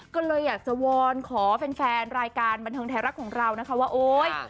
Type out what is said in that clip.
ก็เลยอยากจะวอนขอแฟนรายการบันเทิงไทยรัฐของเรานะคะว่าโอ๊ย